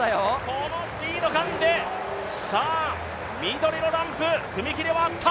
このスピード感でさあ、緑のランプ、踏み切りは合った。